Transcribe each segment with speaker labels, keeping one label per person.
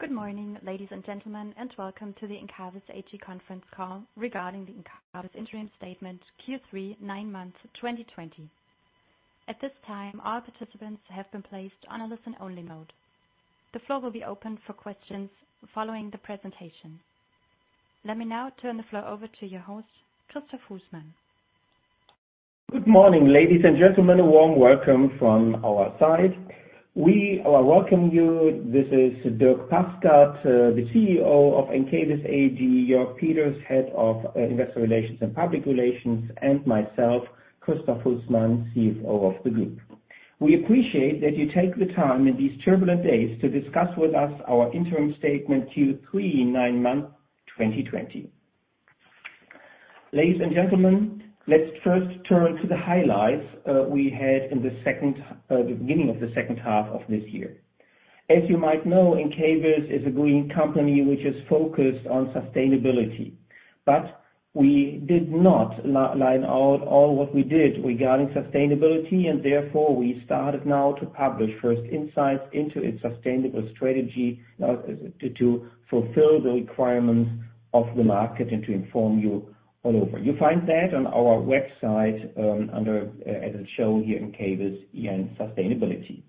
Speaker 1: Good morning, ladies and gentlemen, and welcome to the Encavis AG Conference Call regarding the Encavis interim statement Q3 nine months 2020. Let me now turn the floor over to your host, Christoph Husmann.
Speaker 2: Good morning, ladies and gentlemen. A warm welcome from our side. We are welcoming you. This is Dierk Paskert, the CEO of Encavis AG, Jörg Peters, Head of Investor Relations and Public Relations, and myself, Christoph Husmann, CFO of the group. We appreciate that you take the time in these turbulent days to discuss with us our interim statement Q3 nine months 2020. Ladies and gentlemen, let's first turn to the highlights we had in the beginning of the second half of this year. As you might know, Encavis is a green company which is focused on sustainability. We did not line out all what we did regarding sustainability, and therefore we started now to publish first insights into its sustainable strategy to fulfill the requirements of the market and to inform you all over. You find that on our website as it's shown here, encavis en sustainability.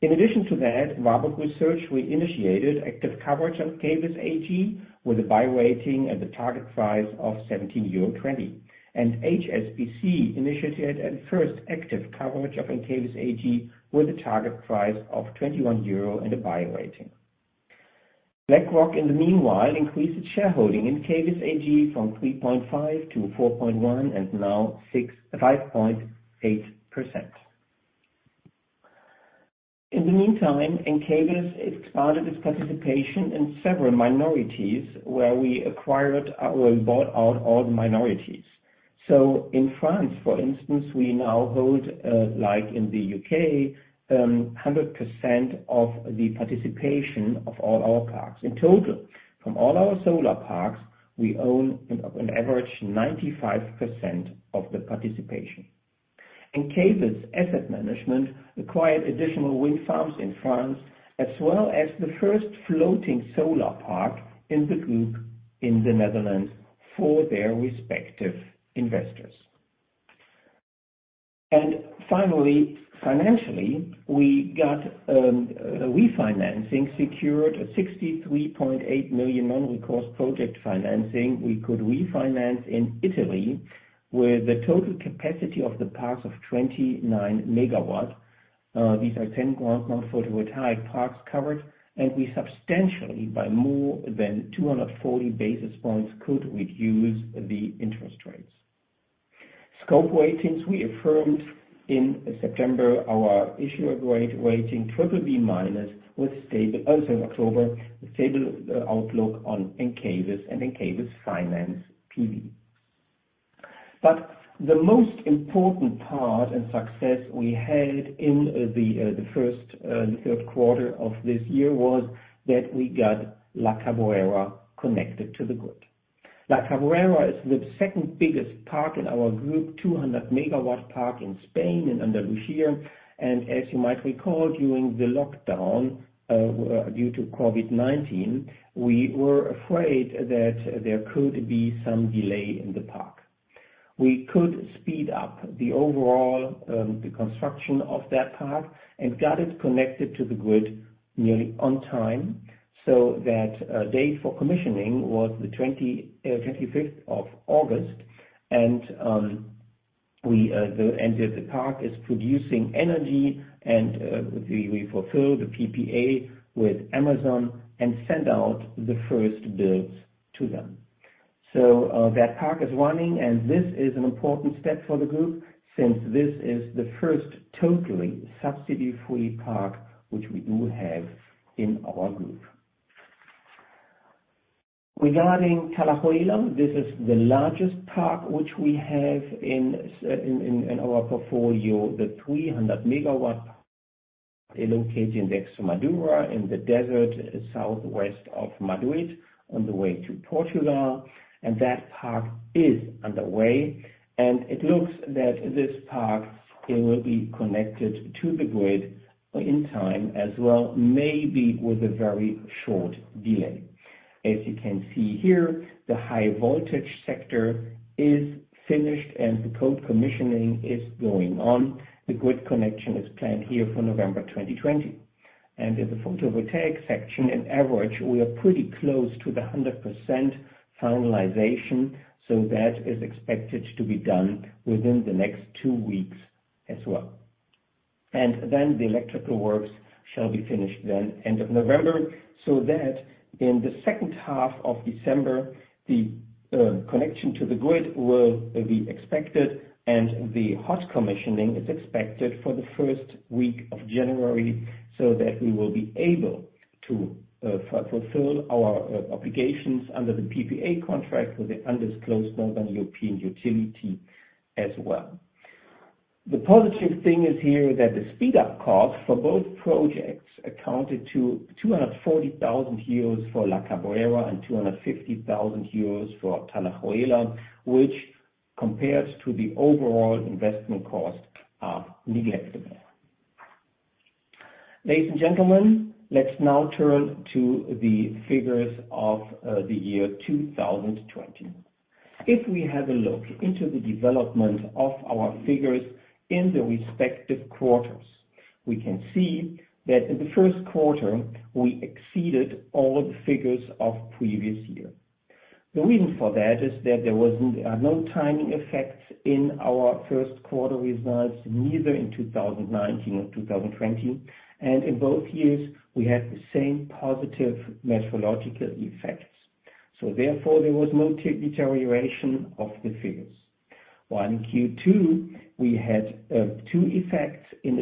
Speaker 2: In addition to that, Warburg Research, we reinitiated active coverage of Encavis AG with a buy rating at the target price of 17.20 euro. HSBC initiated at first active coverage of Encavis AG with a target price of 21 euro and a buy rating. BlackRock in the meanwhile, increased its shareholding in Encavis AG from 3.5% to 4.1% and now 5.8%. In the meantime, Encavis expanded its participation in several minorities where we bought out all the minorities. In France, for instance, we now hold, like in the U.K., 100% of the participation of all our parks. In total, from all our solar parks, we own on average 95% of the participation. Encavis Asset Management acquired additional wind farms in France, as well as the first floating solar park in the group in the Netherlands for their respective investors. Finally, financially, we got a refinancing secured, a 63.8 million non-recourse project financing. We could refinance in Italy, where the total capacity of the parks of 29 MW. These are 10 ground-mounted photovoltaic parks covered, and we substantially, by more than 240 basis points, could reduce the interest rates. Scope Ratings, we affirmed in September our issuer rating BBB- with stable outlook. Sorry, October, with stable outlook on Encavis and Encavis Finance BV. The most important part and success we had in the Q1 and Q3 of this year was that we got La Cabrera connected to the grid. La Cabrera is the second-biggest park in our group, 200 MW park in Spain, Andalusia. As you might recall, during the lockdown due to COVID-19, we were afraid that there could be some delay in the park. We could speed up the overall construction of that park and got it connected to the grid nearly on time. That date for commissioning was the 25th of August and the park is producing energy and we fulfill the PPA with Amazon and send out the first bills to them. That park is running and this is an important step for the group since this is the first totally subsidy-free park which we do have in our group. Regarding Talayuela, this is the largest park which we have in our portfolio, the 300 MW located next to Mérida in the desert southwest of Madrid on the way to Portugal. That park is underway and it looks that this park will be connected to the grid in time as well, maybe with a very short delay. As you can see here, the high voltage sector is finished and the cold commissioning is going on. The grid connection is planned here for November 2020. In the photovoltaic section, in average, we are pretty close to the 100% finalization, so that is expected to be done within the next two weeks as well. Then the electrical works shall be finished then end of November, so that in the second half of December, the connection to the grid will be expected and the hot commissioning is expected for the first week of January, so that we will be able to fulfill our obligations under the PPA contract with the undisclosed Northern European utility as well. The positive thing is here that the speed up cost for both projects accounted to 240,000 euros for La Cabrera and 250,000 euros for Talayuela, which compared to the overall investment cost are negligible. Ladies and gentlemen, let's now turn to the figures of the year 2020. If we have a look into the development of our figures in the respective quarters, we can see that in the Q1, we exceeded all the figures of previous year. The reason for that is that there was no timing effects in our Q1 results, neither in 2019 or 2020, and in both years, we had the same positive meteorological effects. Therefore, there was no deterioration of the figures. While in Q2, we had three effects in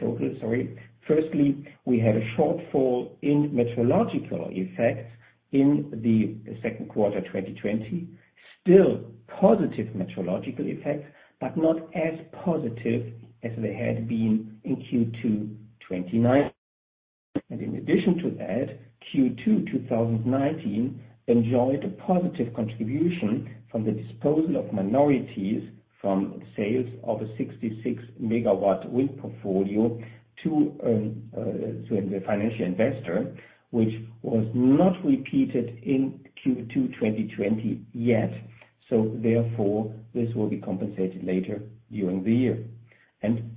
Speaker 2: total, sorry. Firstly, we had a shortfall in meteorological effects in the Q2 2020. Still positive meteorological effects, but not as positive as they had been in Q2 2019. In addition to that, Q2 2019 enjoyed a positive contribution from the disposal of minorities from sales of a 66 MW wind portfolio to the financial investor, which was not repeated in Q2 2020 yet, so therefore, this will be compensated later during the year.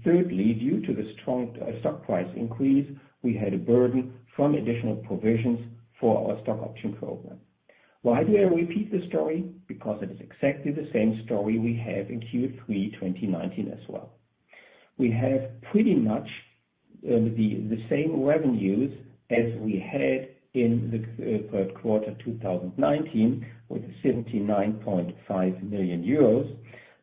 Speaker 2: Thirdly, due to the strong stock price increase, we had a burden from additional provisions for our stock option program. Why do I repeat the story? It is exactly the same story we have in Q3 2019 as well. We have pretty much the same revenues as we had in the Q3 2019 with 79.5 million euros,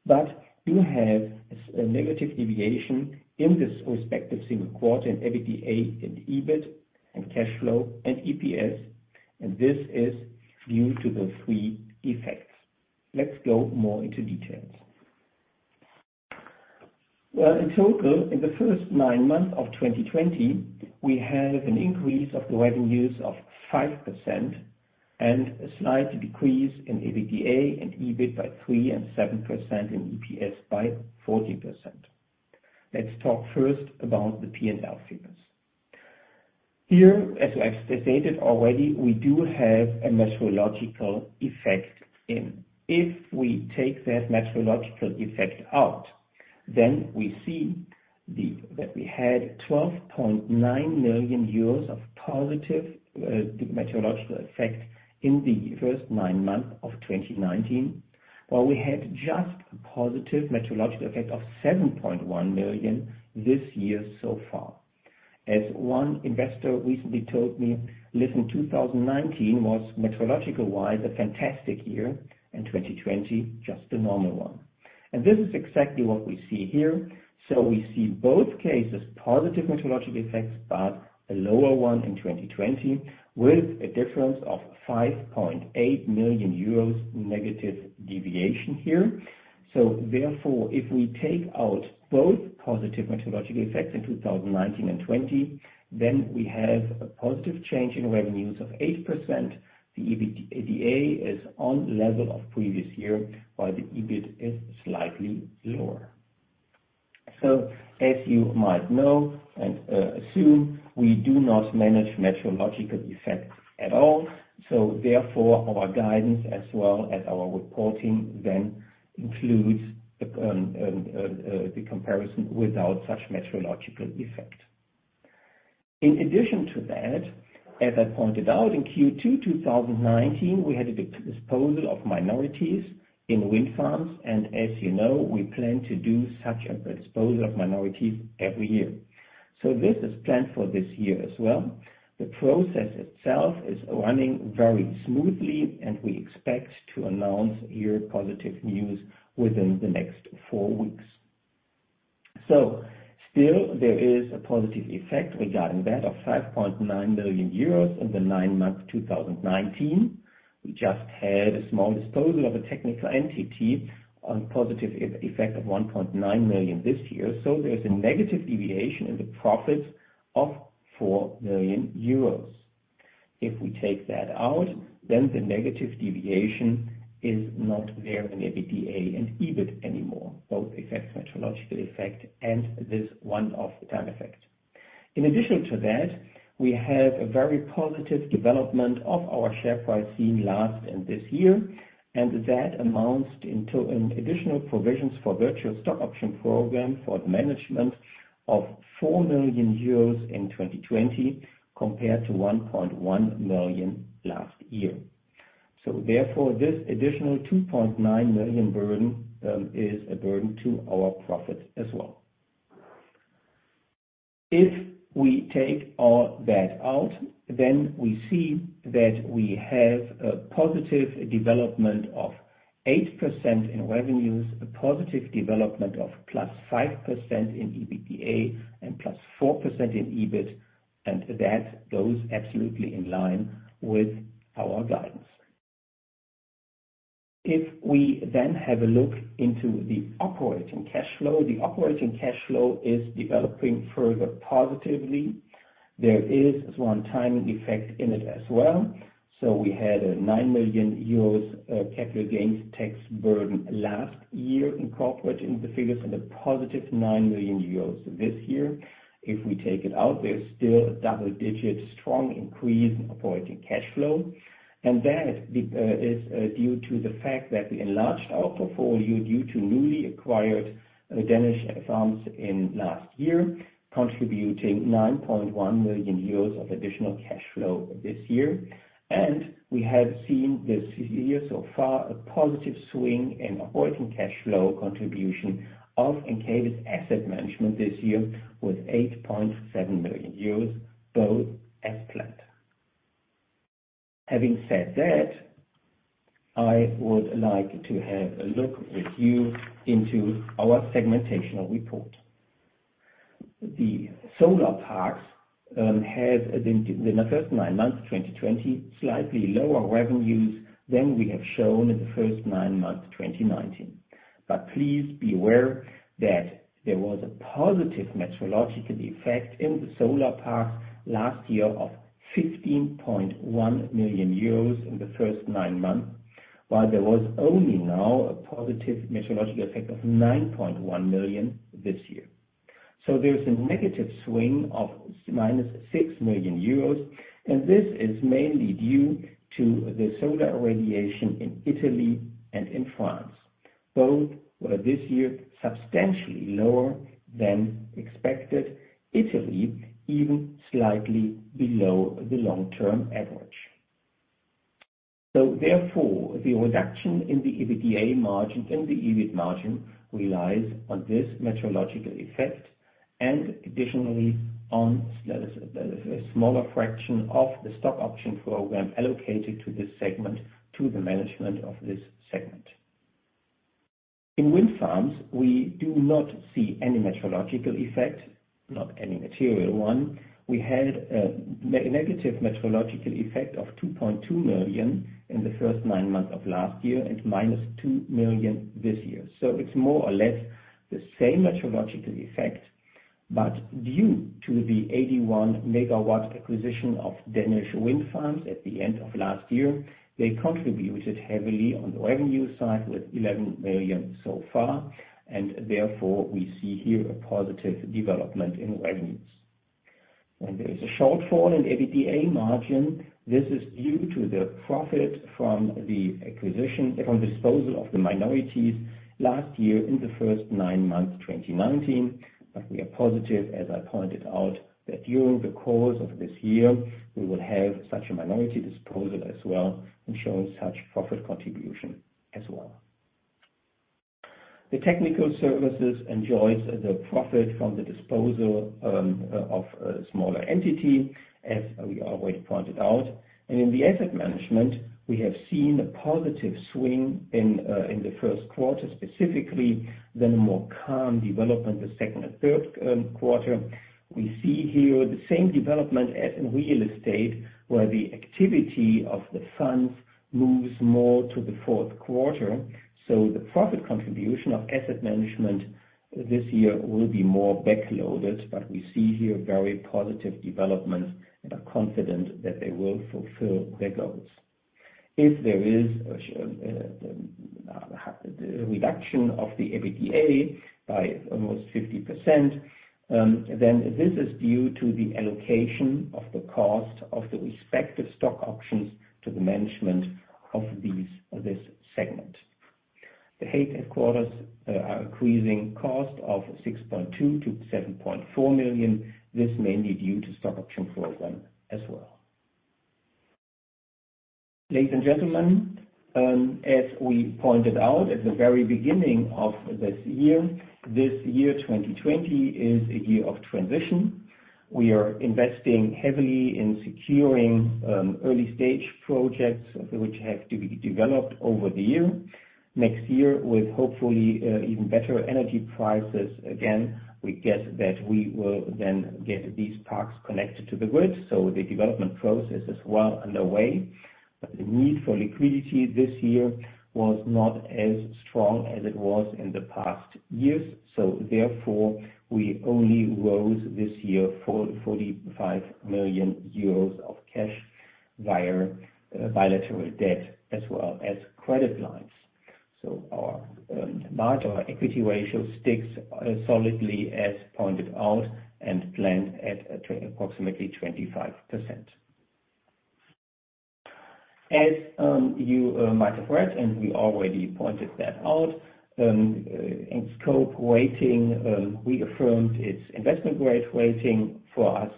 Speaker 2: but do have a negative deviation in this respective single quarter in EBITDA and EBIT and cash flow and EPS. This is due to the three effects. Let's go more into details. Well, in total, in the first nine months of 2020, we have an increase of the revenues of 5% and a slight decrease in EBITDA and EBIT by 3% and 7% in EPS by 14%. Let's talk first about the P&L figures. Here, as I've stated already, we do have a meteorological effect in. If we take that meteorological effect out, then we see that we had 12.9 million euros of positive meteorological effect in the first nine months of 2019, while we had just a positive meteorological effect of 7.1 million this year so far. As one investor recently told me, "Listen, 2019 was meteorological-wise a fantastic year, and 2020, just a normal one." This is exactly what we see here. We see both cases, positive meteorological effects, but a lower one in 2020 with a difference of 5.8 million euros negative deviation here. Therefore, if we take out both positive meteorological effects in 2019 and 2020, then we have a positive change in revenues of 8%. The EBITDA is on level of previous year, while the EBIT is slightly lower. As you might know and assume, we do not manage meteorological effects at all. Therefore, our guidance as well as our reporting then includes the comparison without such meteorological effect. In addition to that, as I pointed out in Q2 2019, we had a disposal of minorities in wind farms, and as you know, we plan to do such a disposal of minorities every year. This is planned for this year as well. The process itself is running very smoothly, and we expect to announce here positive news within the next four weeks. Still, there is a positive effect regarding that of 5.9 million euros in the nine months 2019. We just had a small disposal of a technical entity on positive effect of 1.9 million this year. There is a negative deviation in the profits of 4 million euros. If we take that out, then the negative deviation is not there in EBITDA and EBIT anymore. Both effects, meteorological effect and this one-off time effect. In addition to that, we have a very positive development of our share price seen last and this year, and that amounts into an additional provisions for virtual stock option program for the management of 4 million euros in 2020, compared to 1.1 million last year. Therefore, this additional 2.9 million burden is a burden to our profit as well. If we take all that out, then we see that we have a positive development of 8% in revenues, a positive development of +5% in EBITDA and +4% in EBIT. That goes absolutely in line with our guidance. If we then have a look into the operating cash flow, the operating cash flow is developing further positively. There is one timing effect in it as well. We had a 9 million euros capital gains tax burden last year incorporated in the figures, and a positive 9 million euros this year. If we take it out, there's still a double-digit strong increase in operating cash flow. That is due to the fact that we enlarged our portfolio due to newly acquired Danish farms in last year, contributing 9.1 million euros of additional cash flow this year. We have seen this year so far, a positive swing in operating cash flow contribution of Encavis Asset Management this year with €8.7 million, both as planned. Having said that, I would like to have a look with you into our segmentational report. The solar parks have, in the first nine months of 2020, slightly lower revenues than we have shown in the first nine months of 2019. Please be aware that there was a positive meteorological effect in the solar parks last year of €15.1 million in the first nine months, while there was only now a positive meteorological effect of 9.1 million this year. There's a negative swing of -6 million euros, and this is mainly due to the solar radiation in Italy and in France. Both were this year substantially lower than expected, Italy even slightly below the long-term average. Therefore, the reduction in the EBITDA margin and the EBIT margin relies on this meteorological effect and additionally on a smaller fraction of the stock option program allocated to this segment, to the management of this segment. In wind farms, we do not see any meteorological effect, not any material one. We had a negative meteorological effect of 2.2 million in the first nine months of last year and minus 2 million this year. It's more or less the same meteorological effect, but due to the 81 MW acquisition of Danish wind farms at the end of last year, they contributed heavily on the revenue side with 11 million so far. Therefore, we see here a positive development in revenues. When there is a shortfall in EBITDA margin, this is due to the profit from the acquisition, from disposal of the minorities last year in the first nine months, 2019. We are positive, as I pointed out, that during the course of this year, we will have such a minority disposal as well and show such profit contribution as well. The technical services enjoys the profit from the disposal of a smaller entity, as we already pointed out. In the asset management, we have seen a positive swing in the Q1, specifically, then a more calm development the Q2 and Q3. We see here the same development as in real estate, where the activity of the funds moves more to the Q4. The profit contribution of asset management this year will be more backloaded, but we see here very positive development and are confident that they will fulfill their goals. If there is a reduction of the EBITDA by almost 50%, then this is due to the allocation of the cost of the respective stock options to the management of this segment. The headquarters are increasing cost of 6.2 million-7.4 million. This is mainly due to stock option program as well. Ladies and gentlemen, as we pointed out at the very beginning of this year, this year, 2020, is a year of transition. We are investing heavily in securing early stage projects which have to be developed over the year. Next year, with hopefully even better energy prices again, we guess that we will then get these parks connected to the grid, so the development process is well underway. The need for liquidity this year was not as strong as it was in the past years, so therefore, we only rose this year 45 million euros of cash via bilateral debt as well as credit lines. Our margin, our equity ratio sticks solidly as pointed out and planned at approximately 25%. As you might have read, and we already pointed that out, in Scope Ratings, we affirmed its investment grade rating for us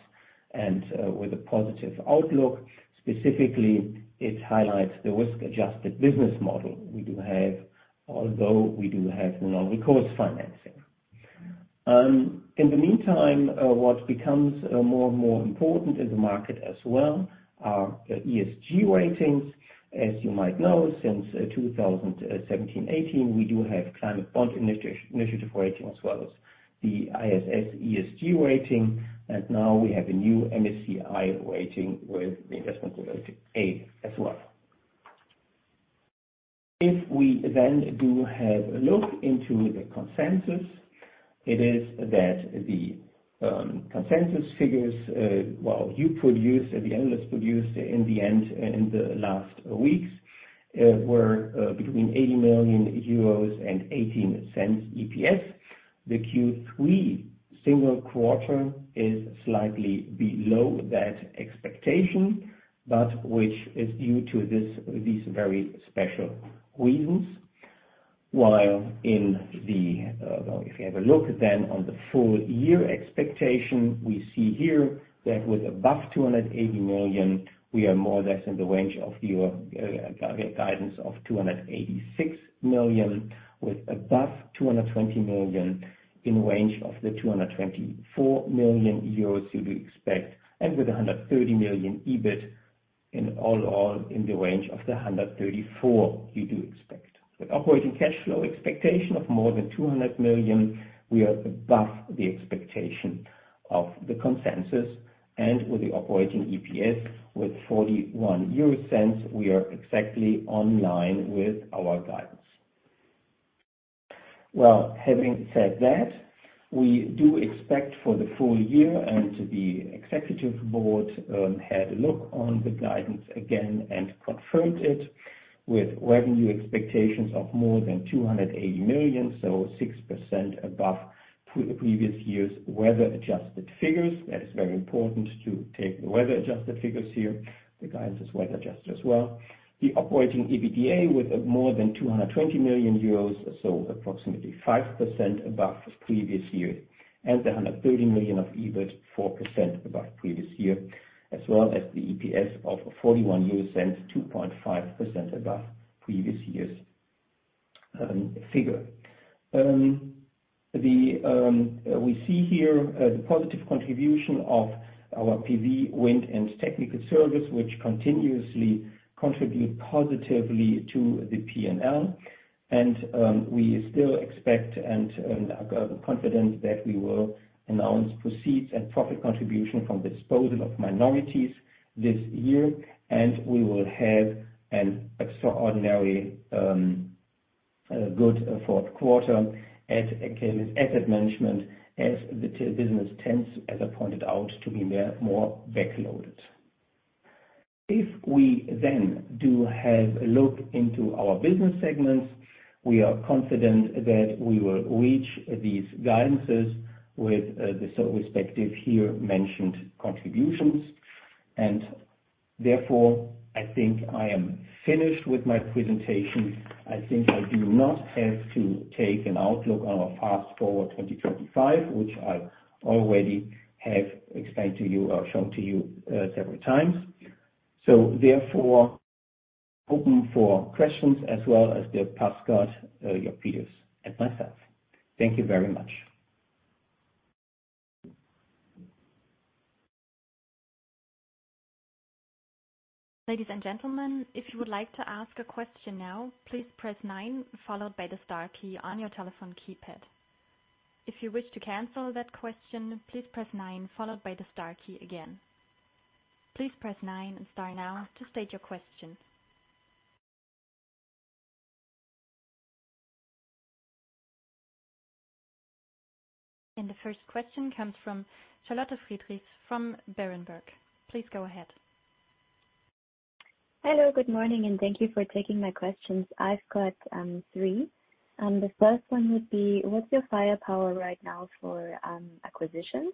Speaker 2: and with a positive outlook. Specifically, it highlights the risk-adjusted business model we do have, although we do have non-recourse financing. In the meantime, what becomes more and more important in the market as well are ESG ratings. As you might know, since 2017-2018, we do have Climate Bonds Initiative rating as well as the ISS ESG rating. Now we have a new MSCI rating with the investment grade A as well. We do have a look into the consensus, it is that the consensus figures, well, you produce, the analysts produced in the end, in the last weeks, were between 80 million euros and 0.18 EPS. The Q3 single quarter is slightly below that expectation, which is due to these very special reasons. You have a look on the full year expectation, we see here that with above 280 million, we are more or less in the range of your guidance of 286 million, with above 220 million in range of the 224 million euros we do expect, and with 130 million EBIT, in all, in the range of the 134 million we do expect. With operating cash flow expectation of more than 200 million, we are above the expectation of the consensus, and with the operating EPS with 0.41, we are exactly online with our guidance. Well, having said that, we do expect for the full year, and the executive board had a look on the guidance again and confirmed it with revenue expectations of more than 280 million, so 6% above the previous year's weather-adjusted figures. That is very important to take the weather-adjusted figures here. The guidance is weather-adjusted as well. The operating EBITDA with more than 220 million euros, so approximately 5% above previous year, and the 130 million of EBIT, 4% above previous year, as well as the EPS of EUR 0.41, 2.5% above previous year's figure. We see here the positive contribution of our PV, wind and technical service, which continuously contribute positively to the P&L, and we still expect and are confident that we will announce proceeds and profit contribution from disposal of minorities this year, and we will have an extraordinarily good Q4 at Encavis Asset Management as the business tends, as I pointed out, to be more backloaded. If we do have a look into our business segments, we are confident that we will reach these guidances with the respective here mentioned contributions. Therefore, I think I am finished with my presentation. I think I do not have to take an outlook on our Fast Forward 2025, which I already have explained to you or shown to you several times. Therefore, open for questions as well as Dierk Paskert, Jörg Peters and myself. Thank you very much.
Speaker 1: The first question comes from Charlotte Friedrichs from Berenberg. Please go ahead.
Speaker 3: Hello, good morning. Thank you for taking my questions. I've got three. The first one would be, what's your firepower right now for acquisitions?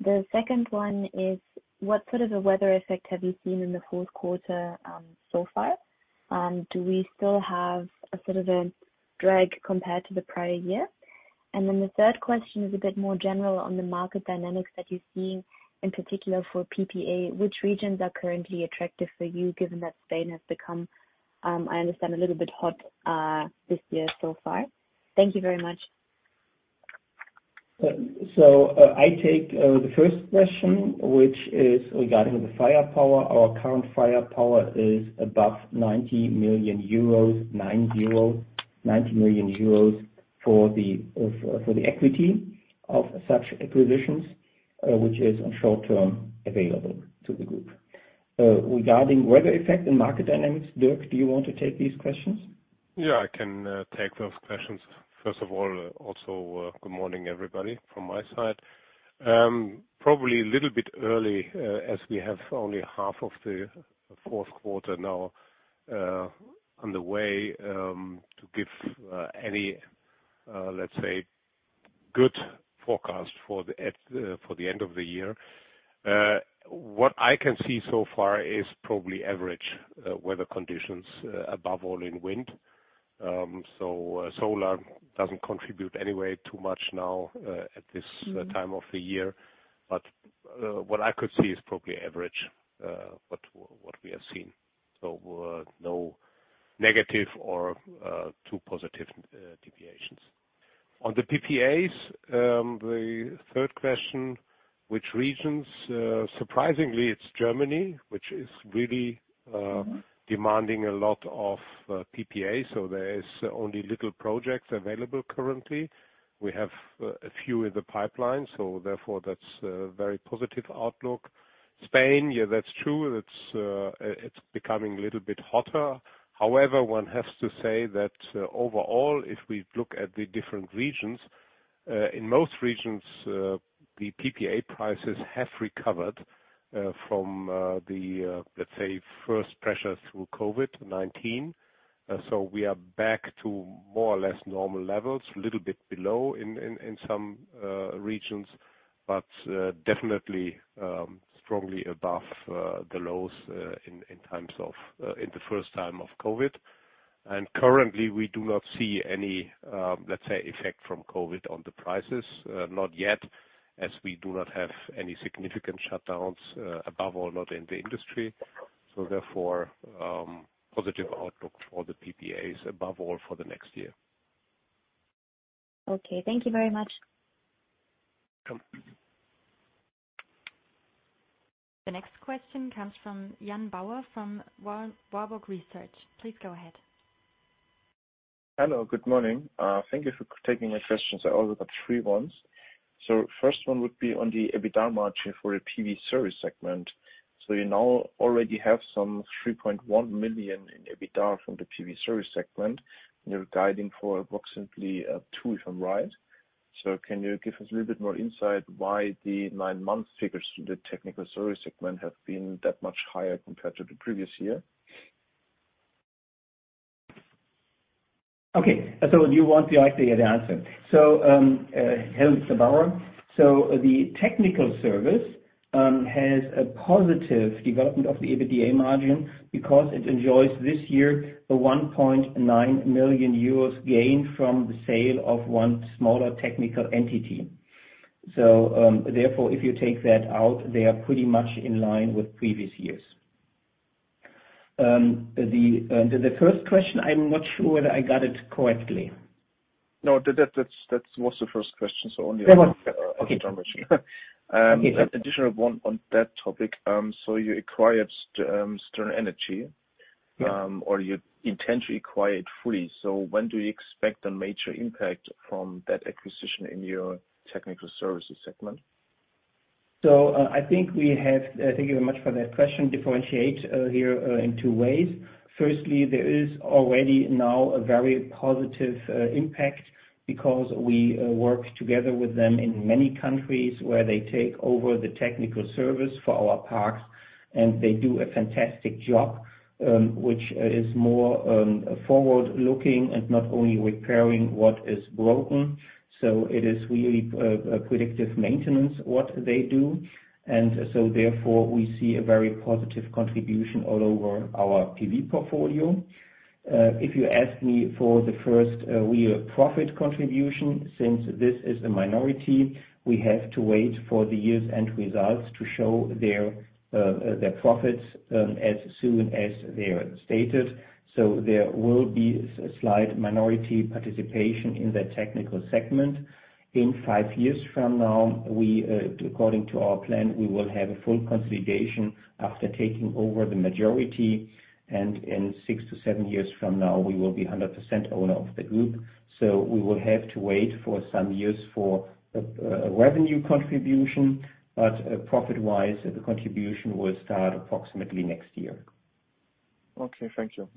Speaker 3: The second one is, what sort of a weather effect have you seen in the Q4 so far? Do we still have a sort of a drag compared to the prior year? The third question is a bit more general on the market dynamics that you're seeing, in particular for PPA. Which regions are currently attractive for you, given that Spain has become, I understand, a little bit hot this year so far? Thank you very much.
Speaker 2: I take the first question, which is regarding the firepower. Our current firepower is above 90 million euros, nine zero, 90 million euros for the equity of such acquisitions, which is on short-term available to the group. Regarding weather effect and market dynamics, Dierk, do you want to take these questions?
Speaker 4: Yeah, I can take those questions. Also good morning, everybody, from my side. Probably a little bit early, as we have only half of the Q4 now on the way to give any, let's say, good forecast for the end of the year. What I can see so far is probably average weather conditions, above all in wind. Solar doesn't contribute anyway too much now at this time of the year. What I could see is probably average, what we have seen. No negative or too positive deviations. On the PPAs, the third question, which regions? Surprisingly, it's Germany, which is really demanding a lot of PPA, there is only little projects available currently. We have a few in the pipeline, that's a very positive outlook. Spain, yeah, that's true. It's becoming a little bit hotter. One has to say that overall, if we look at the different regions, in most regions, the PPA prices have recovered from the, let's say, first pressure through COVID-19. We are back to more or less normal levels, a little bit below in some regions, but definitely, strongly above the lows in the first time of COVID. Currently, we do not see any, let's say, effect from COVID on the prices. Not yet, as we do not have any significant shutdowns, above all not in the industry. Therefore, positive outlook for the PPAs, above all for the next year.
Speaker 3: Okay. Thank you very much.
Speaker 1: The next question comes from Jan Bauer from Warburg Research. Please go ahead.
Speaker 5: Hello. Good morning. Thank you for taking my questions. I also got three ones. First one would be on the EBITDA margin for the PV service segment. You now already have some 3.1 million in EBITDA from the PV service segment. You're guiding for approximately 2 million, if I'm right. Can you give us a little bit more insight why the nine-month figures to the technical service segment have been that much higher compared to the previous year?
Speaker 2: Okay. You want directly the answer. Hello, Mr. Bauer. The technical service has a positive development of the EBITDA margin because it enjoys this year a 1.9 million euros gain from the sale of one smaller technical entity. Therefore, if you take that out, they are pretty much in line with previous years. The first question, I'm not sure whether I got it correctly.
Speaker 5: No, that was the first question on the EBITDA margin. An additional one on that topic. You acquired Stern Energy. You intend to acquire it fully. When do you expect a major impact from that acquisition in your technical services segment?
Speaker 2: I think we have, thank you very much for that question, differentiate here in two ways. Firstly, there is already now a very positive impact because we work together with them in many countries where they take over the technical service for our parks, and they do a fantastic job, which is more forward-looking and not only repairing what is broken. It is really a predictive maintenance, what they do. Therefore, we see a very positive contribution all over our PV portfolio. If you ask me for the first real profit contribution, since this is a minority, we have to wait for the year's end results to show their profits, as soon as they're stated. There will be a slight minority participation in that technical segment. In five years from now, according to our plan, we will have a full consolidation after taking over the majority, and in six to seven years from now, we will be 100% owner of the group. We will have to wait for some years for a revenue contribution, but profit-wise, the contribution will start approximately next year.
Speaker 5: Okay. Thank you.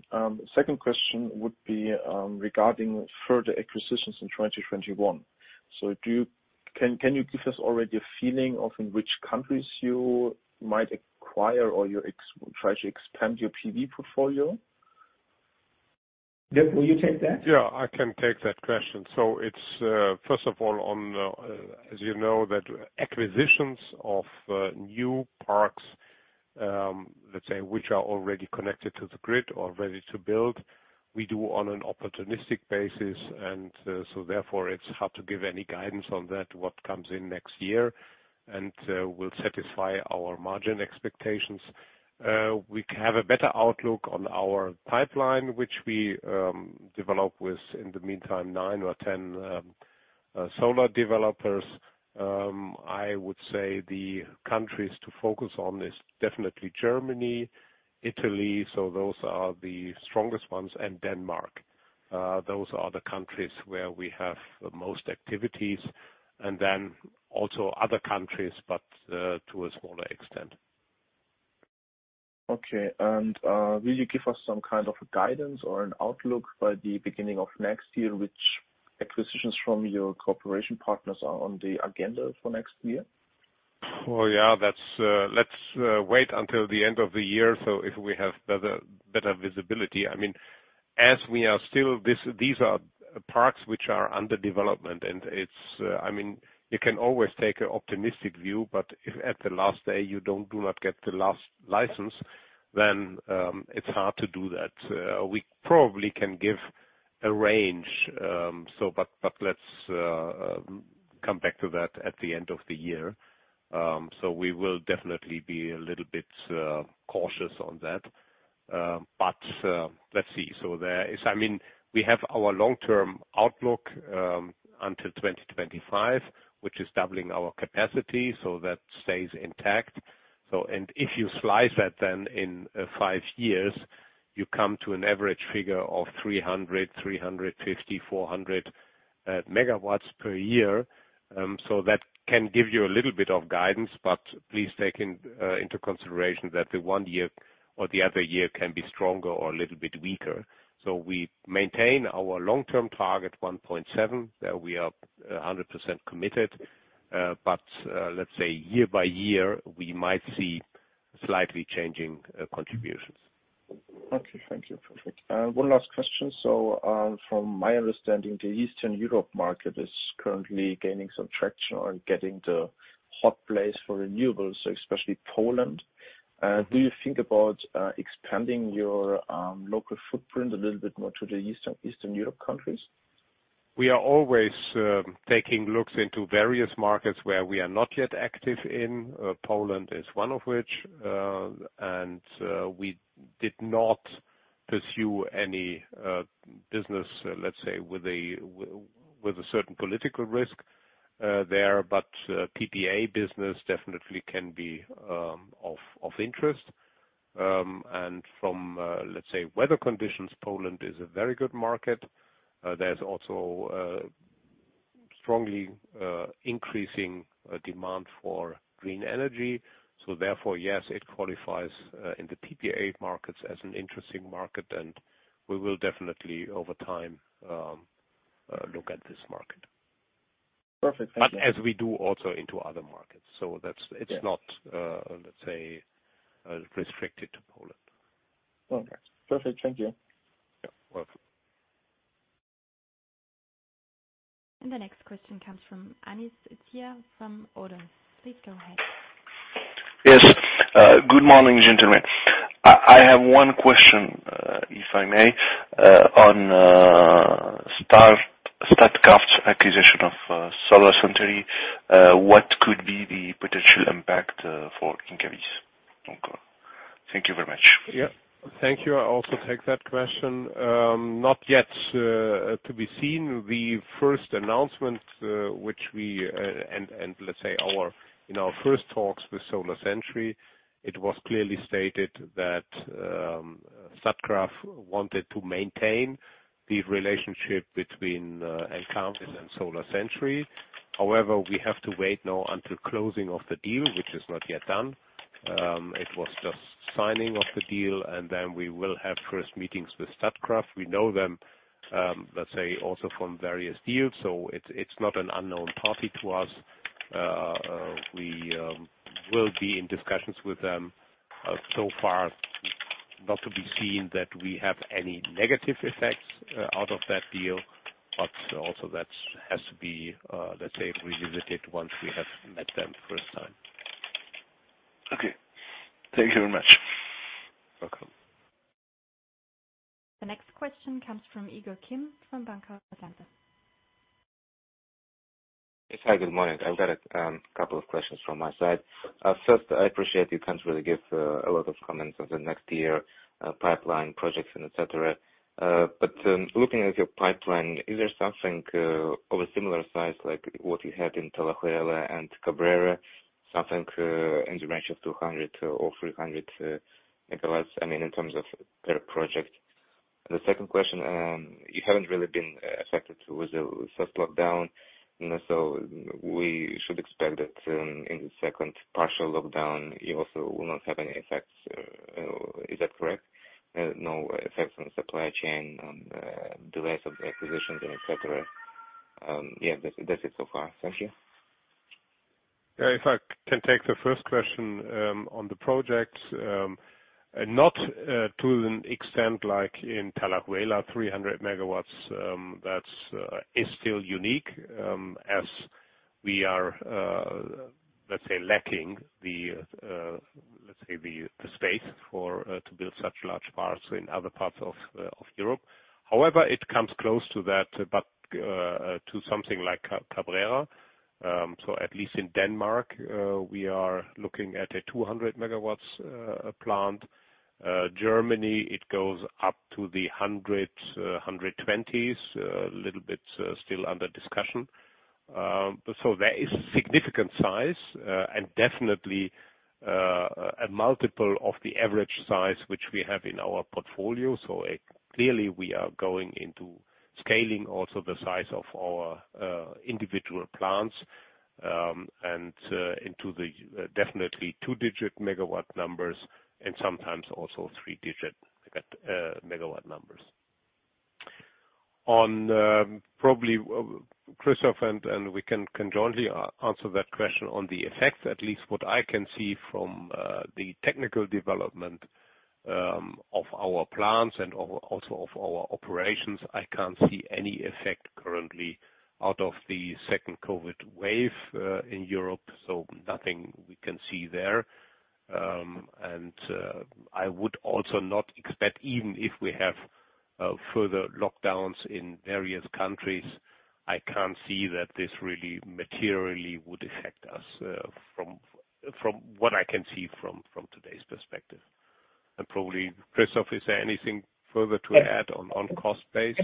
Speaker 5: Second question would be, regarding further acquisitions in 2021. Can you give us already a feeling of in which countries you might acquire or you try to expand your PV portfolio?
Speaker 2: Dierk, will you take that?
Speaker 4: Yeah, I can take that question. It's, first of all, as you know, that acquisitions of new parks, let's say, which are already connected to the grid or ready to build, we do on an opportunistic basis. Therefore, it's hard to give any guidance on that, what comes in next year and will satisfy our margin expectations. We have a better outlook on our pipeline, which we developed with, in the meantime, nine or 10 solar developers. I would say the countries to focus on is definitely Germany, Italy. Those are the strongest ones, and Denmark. Those are the countries where we have the most activities and then also other countries, but to a smaller extent.
Speaker 5: Okay. Will you give us some kind of guidance or an outlook by the beginning of next year, which acquisitions from your cooperation partners are on the agenda for next year?
Speaker 4: Yeah. Let's wait until the end of the year, if we have better visibility. These are parks which are under development, you can always take an optimistic view, if at the last day, you do not get the last license, it's hard to do that. We probably can give a range. Let's come back to that at the end of the year. We will definitely be a little bit cautious on that. Let's see. We have our long-term outlook, until 2025, which is doubling our capacity, that stays intact. If you slice that then in five years, you come to an average figure of 300 MW, 350 MW, 400 MW per year. That can give you a little bit of guidance, please take into consideration that the one year or the other year can be stronger or a little bit weaker. We maintain our long-term target, 1.7, that we are 100% committed. Let's say year by year, we might see slightly changing contributions.
Speaker 5: Okay. Thank you. Perfect. One last question. From my understanding, the Eastern Europe market is currently gaining some traction on getting the hot place for renewables, especially Poland. Do you think about expanding your local footprint a little bit more to the Eastern Europe countries?
Speaker 4: We are always taking looks into various markets where we are not yet active in. Poland is one of which. We did not pursue any business, let's say, with a certain political risk there. PPA business definitely can be of interest. From, let's say, weather conditions, Poland is a very good market. There's also strongly increasing demand for green energy. Therefore, yes, it qualifies in the PPA markets as an interesting market, and we will definitely, over time, look at this market.
Speaker 5: Perfect. Thank you.
Speaker 4: As we do also into other markets, so it's not, let's say, restricted to Poland.
Speaker 5: Okay. Perfect. Thank you.
Speaker 4: Yeah. Welcome.
Speaker 1: The next question comes from Anis Zgaya from ODDO BHF. Please go ahead.
Speaker 6: Yes. Good morning, gentlemen. I have one question, if I may, on Statkraft's acquisition of Solarcentury. What could be the potential impact for Encavis? Thank you very much.
Speaker 4: Yeah. Thank you. I also take that question. Not yet to be seen. The first announcement, and let's say in our first talks with Solarcentury, it was clearly stated that Statkraft wanted to maintain the relationship between Encavis and Solarcentury. However, we have to wait now until closing of the deal, which is not yet done. It was just signing of the deal, and then we will have first meetings with Statkraft. We know them, let's say, also from various deals, so it's not an unknown party to us. We will be in discussions with them. So far, not to be seen that we have any negative effects out of that deal, but also that has to be, let's say, revisited once we have met them first time.
Speaker 6: Okay. Thank you very much.
Speaker 4: Welcome.
Speaker 1: The next question comes from Igor Kim from Bankhaus Lampe.
Speaker 7: Yes. Hi, good morning. I've got a couple of questions from my side. I appreciate you can't really give a lot of comments on the next year, pipeline projects and et cetera. Looking at your pipeline, is there something of a similar size, like what you had in Talayuela and Cabrera, something in the range of 200 MW or 300 MW, in terms of per project? The second question, you haven't really been affected with the first lockdown. We should expect that in the second partial lockdown, you also will not have any effects. Is that correct? No effects on supply chain, on delays of the acquisitions and et cetera. Yeah, that's it so far. Thank you.
Speaker 4: If I can take the first question on the project. Not to an extent like in Talayuela, 300 MW. That is still unique, as we are lacking the space to build such large parts in other parts of Europe. It comes close to that. To something like Cabrera. At least in Denmark, we are looking at a 200 MW plant. Germany, it goes up to the 100, 120s. A little bit still under discussion. There is significant size and definitely a multiple of the average size which we have in our portfolio. Clearly we are going into scaling also the size of our individual plants, and into the definitely two-digit MW numbers and sometimes also three-digit MW numbers. Probably Christoph and we can jointly answer that question on the effects. At least what I can see from the technical development of our plants and also of our operations, I can't see any effect currently out of the second COVID wave in Europe. Nothing we can see there. I would also not expect, even if we have further lockdowns in various countries, I can't see that this really materially would affect us, from what I can see from today's perspective. Probably, Christoph, is there anything further to add on cost base?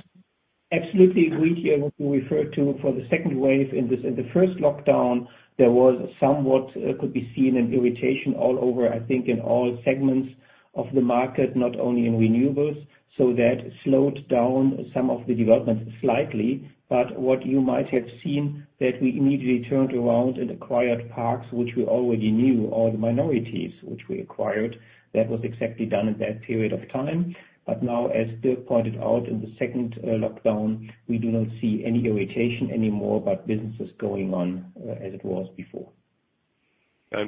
Speaker 2: Absolutely agree here what you referred to for the second wave. In the first lockdown, there was somewhat could be seen an irritation all over, I think, in all segments of the market, not only in renewables. That slowed down some of the developments slightly. What you might have seen, that we immediately turned around and acquired parks, which we already knew, or the minorities which we acquired, that was exactly done in that period of time. Now, as Dierk pointed out, in the second lockdown, we do not see any irritation anymore, but business is going on as it was before.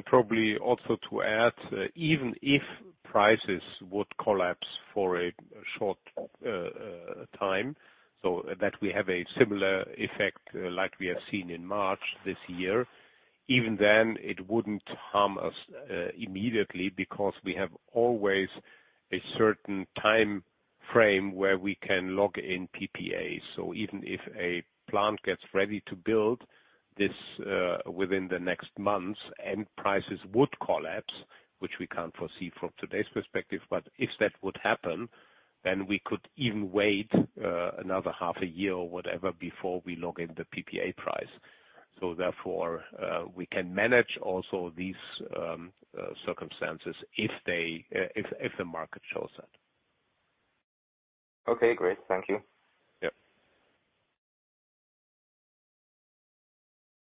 Speaker 4: Probably also to add, even if prices would collapse for a short time, so that we have a similar effect like we have seen in March this year, even then, it wouldn't harm us immediately, because we have always a certain time frame where we can log in PPAs. Even if a plant gets ready to build within the next months and prices would collapse, which we can't foresee from today's perspective, but if that would happen, then we could even wait another half a year or whatever before we log in the PPA price. Therefore, we can manage also these circumstances if the market shows that.
Speaker 7: Okay, great. Thank you.
Speaker 4: Yep.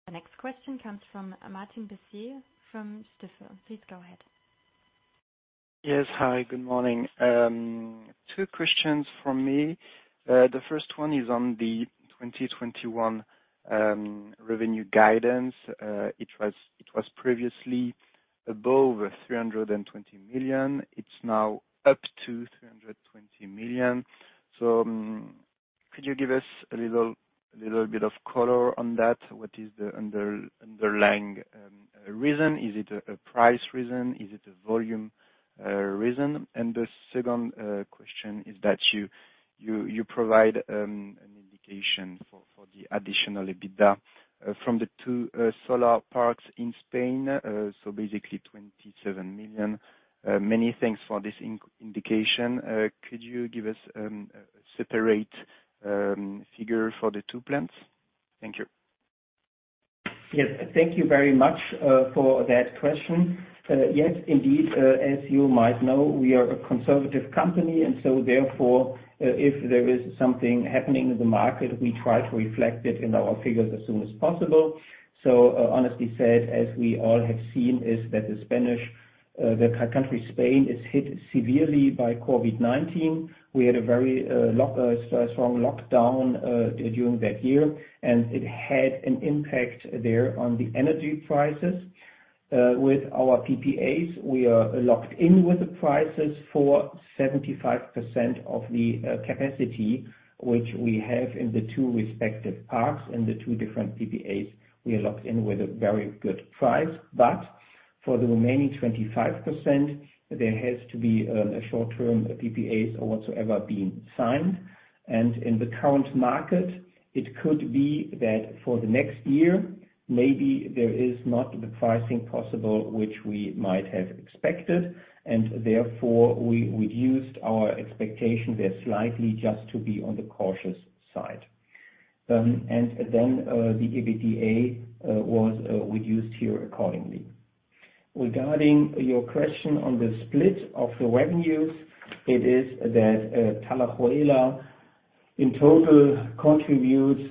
Speaker 1: The next question comes from Martin Comtesse from Jefferies. Please go ahead.
Speaker 8: Yes. Hi, good morning. Two questions from me. The first one is on the 2021 revenue guidance. It was previously above 320 million. It's now up to 320 million. Could you give us a little bit of color on that? What is the underlying reason? Is it a price reason? Is it a volume reason? The second question is that you provide an indication for the additional EBITDA from the two solar parks in Spain, basically 27 million. Many thanks for this indication. Could you give us a separate figure for the two plants? Thank you.
Speaker 2: Yes. Thank you very much for that question. Yes, indeed, as you might know, we are a conservative company, and so therefore, if there is something happening in the market, we try to reflect it in our figures as soon as possible. Honestly said, as we all have seen, is that the country Spain is hit severely by COVID-19. We had a very strong lockdown during that year, and it had an impact there on the energy prices. With our PPAs, we are locked in with the prices for 75% of the capacity, which we have in the two respective parks and the two different PPAs. We are locked in with a very good price. For the remaining 25%, there has to be a short-term PPAs or whatsoever being signed. In the current market, it could be that for the next year, maybe there is not the pricing possible which we might have expected, therefore we reduced our expectation there slightly just to be on the cautious side. Then the EBITDA was reduced here accordingly. Regarding your question on the split of the revenues, it is that Talayuela, in total, contributes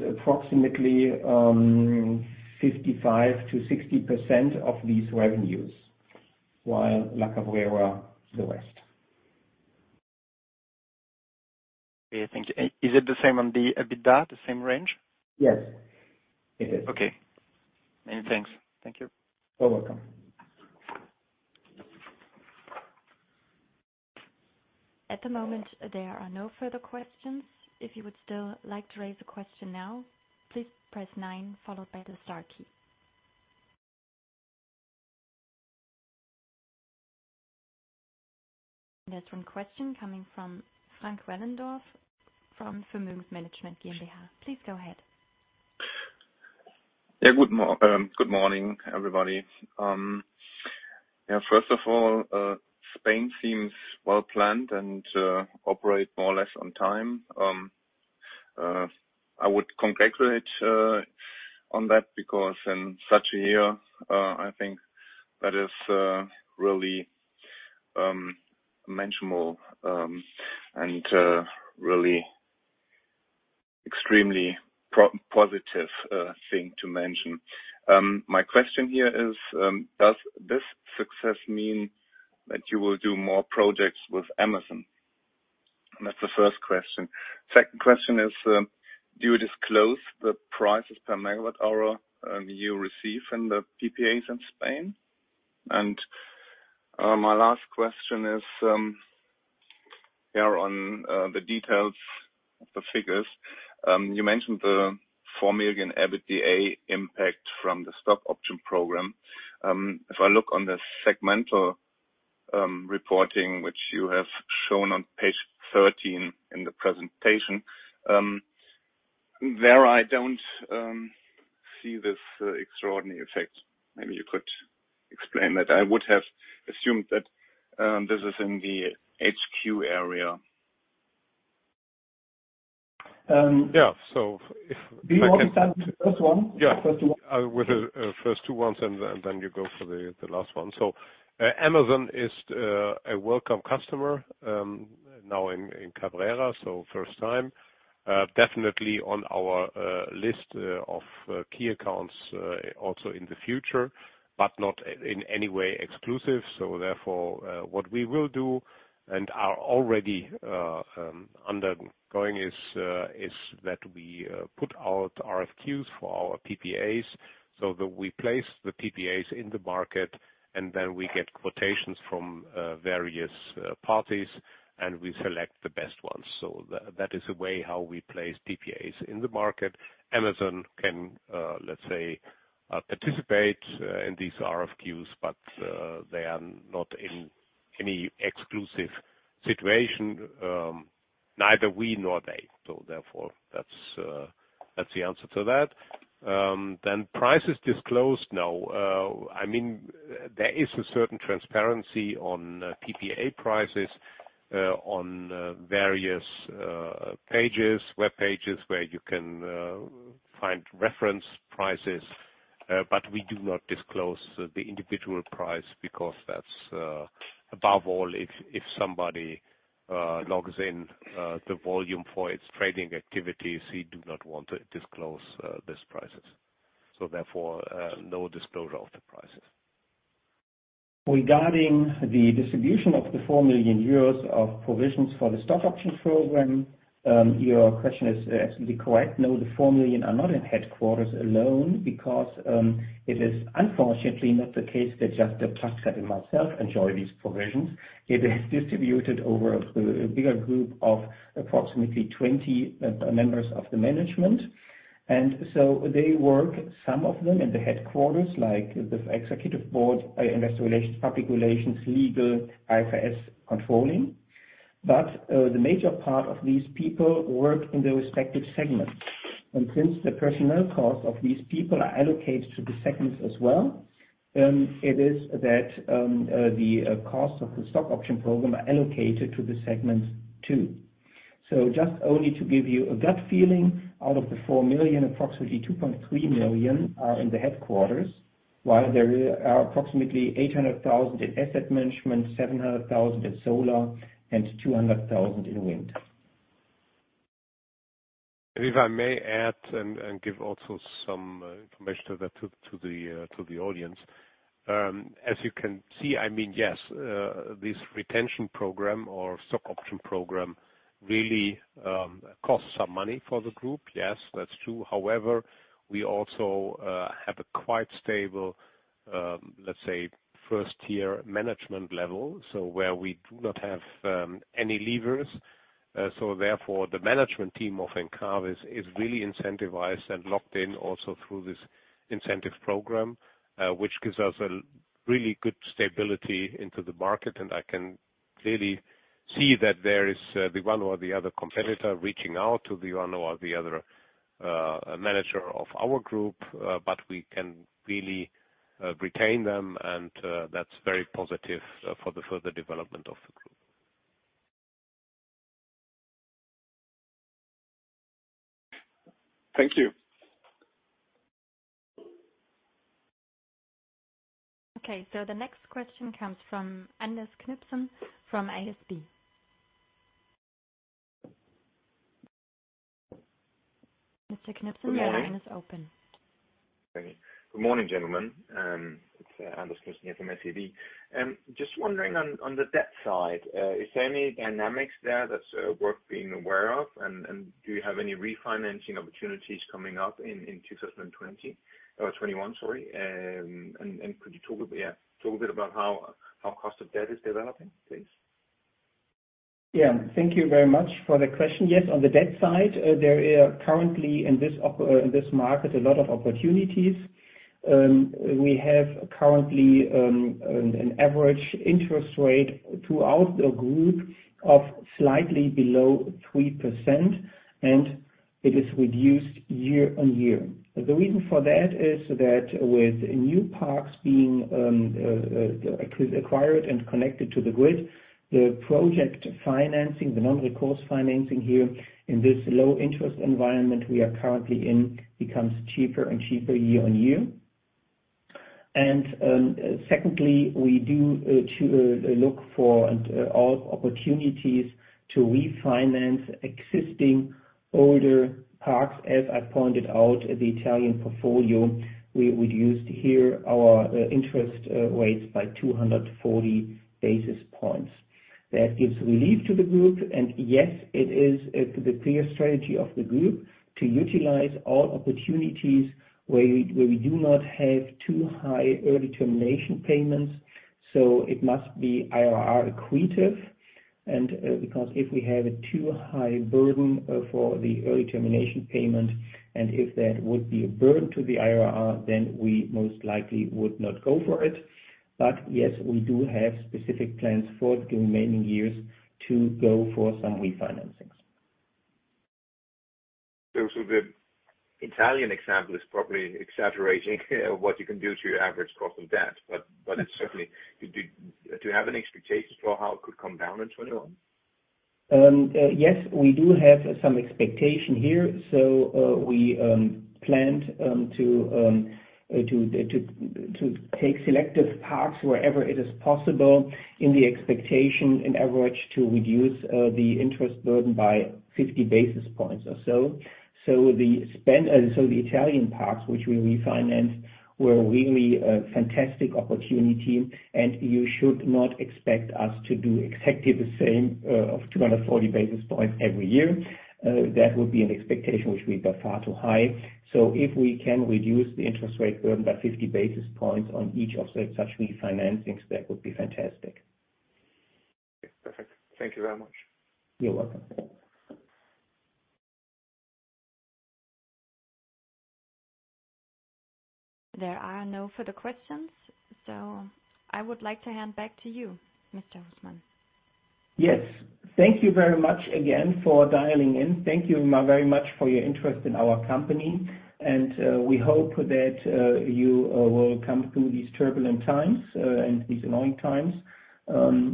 Speaker 2: approximately 55%-60% of these revenues, while La Cabrera, the rest.
Speaker 8: Okay, thank you. Is it the same on the EBITDA, the same range?
Speaker 2: Yes. It is.
Speaker 8: Okay. Many thanks. Thank you.
Speaker 2: You're welcome.
Speaker 1: At the moment, there are no further questions. If you would still like to raise a question now, please press 9* key. There's one question coming from Frank Wellendorf, from VM Vermögens-Management. Please go ahead.
Speaker 9: Good morning, everybody. First of all, Spain seems well-planned and operate more or less on time. I would congratulate on that because in such a year, I think that is really mentionable and really extremely positive thing to mention. My question here is, does this success mean that you will do more projects with Amazon? That's the first question. Second question is, do you disclose the prices per megawatt hour you receive in the PPAs in Spain? My last question is on the details of the figures. You mentioned the 4 million EBITDA impact from the stock option program. If I look on the segmental reporting, which you have shown on page 13 in the presentation, there, I don't see this extraordinary effect. Maybe you could explain that. I would have assumed that this is in the HQ area.
Speaker 2: Do you want to start with the first one?
Speaker 4: I go with the first two ones, and then you go for the last one. Amazon is a welcome customer now in Talayuela, first time. Definitely on our list of key accounts also in the future, but not in any way exclusive. What we will do and are already undergoing is that we put out RFQs for our PPAs so that we place the PPAs in the market, and then we get quotations from various parties, and we select the best ones. That is a way how we place PPAs in the market. Amazon can, let's say, participate in these RFQs, but they are not in any exclusive situation, neither we nor they. That's the answer to that. Prices disclosed. No. There is a certain transparency on PPA prices on various web pages where you can find reference prices. We do not disclose the individual price because that's above all, if somebody logs in the volume for its trading activities, we do not want to disclose these prices. Therefore, no disclosure of the prices.
Speaker 2: Regarding the distribution of the 4 million euros of provisions for the stock option program, your question is absolutely correct. No, the 4 million are not in headquarters alone because, it is unfortunately not the case that just Dierk and myself enjoy these provisions. It is distributed over a bigger group of approximately 20 members of the management. They work, some of them in the headquarters, like the executive board, investor relations, public relations, legal, IFRS, controlling. The major part of these people work in the respective segments. Since the personnel costs of these people are allocated to the segments as well, it is that the cost of the stock option program are allocated to the segments, too. Just only to give you a gut feeling, out of the 4 million, approximately 2.3 million are in the headquarters, while there are approximately 800,000 in Asset Management, 700,000 in solar, and 200,000 in wind.
Speaker 4: If I may add and give also some information to the audience. As you can see, yes, this retention program or stock option program really costs some money for the group. Yes, that's true. However, we also have a quite stable, let's say, first-tier management level, so where we do not have any levers. Therefore, the management team of Encavis is really incentivized and locked in also through this incentive program, which gives us a really good stability into the market. I can clearly see that there is the one or the other competitor reaching out to the one or the other manager of our group, but we can really retain them, and that's very positive for the further development of the group.
Speaker 9: Thank you.
Speaker 1: The next question comes from Anders Knudsen from SEB. Mr. Knudsen, your line is open.
Speaker 10: Good morning, gentlemen. It's Anders Knudsen from SEB. Just wondering on the debt side, is there any dynamics there that's worth being aware of? Do you have any refinancing opportunities coming up in 2020? 2021, sorry. Could you talk a bit about how cost of debt is developing, please?
Speaker 2: Yeah, thank you very much for the question. Yes, on the debt side, there are currently in this market a lot of opportunities. We have currently an average interest rate throughout the group of slightly below 3%, and it is reduced year-on-year. The reason for that is that with new parks being acquired and connected to the grid, the project financing, the non-recourse financing here in this low interest environment we are currently in, becomes cheaper and cheaper year-on-year. Secondly, we do look for all opportunities to refinance existing older parks. As I pointed out, the Italian portfolio, we reduced here our interest rates by 240 basis points. That gives relief to the group. Yes, it is the clear strategy of the group to utilize all opportunities where we do not have too high early termination payments. It must be IRR accretive. Because if we have a too high burden for the early termination payment, and if that would be a burden to the IRR, we most likely would not go for it. Yes, we do have specific plans for the remaining years to go for some refinancings.
Speaker 10: The Italian example is probably exaggerating what you can do to your average cost of debt. Do you have any expectations for how it could come down in 2021?
Speaker 2: Yes, we do have some expectation here. We planned to take selective parts wherever it is possible in the expectation in average to reduce the interest burden by 50 basis points or so. The Italian parts, which we refinanced, were really a fantastic opportunity, and you should not expect us to do exactly the same of 240 basis points every year. That would be an expectation which would be by far too high. If we can reduce the interest rate burden by 50 basis points on each of the such refinancings, that would be fantastic.
Speaker 10: Perfect. Thank you very much.
Speaker 2: You're welcome.
Speaker 1: There are no further questions. I would like to hand back to you, Mr. Husmann.
Speaker 2: Yes. Thank you very much again for dialing in. Thank you very much for your interest in our company, and we hope that you will come through these turbulent times and these annoying times.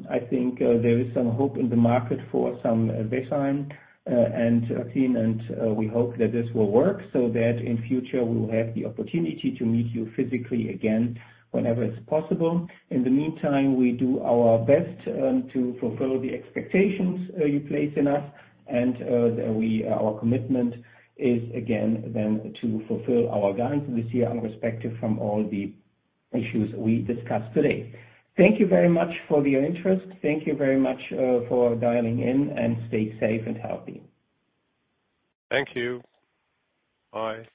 Speaker 2: I think there is some hope in the market for some vaccine, and we hope that this will work so that in future we will have the opportunity to meet you physically again whenever it's possible. In the meantime, we do our best to fulfill the expectations you place in us, and our commitment is again then to fulfill our guidance this year irrespective from all the issues we discussed today. Thank you very much for your interest. Thank you very much for dialing in, and stay safe and healthy.
Speaker 4: Thank you. Bye.